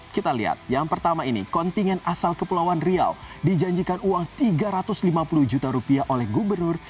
kita lihat yang pertama ini kontingen asal kepulauan riau dijanjikan uang tiga ratus lima puluh juta rupiah oleh gubernur